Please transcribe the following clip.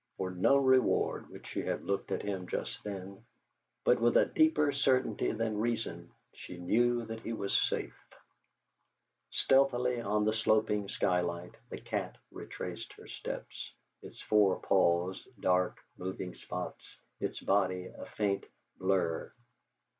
For no reward would she have looked at him just then, but with a deeper certainty than reason she knew that he was safe. Stealthily on the sloping skylight the cat retraced her steps, its four paws dark moving spots, its body a faint blur.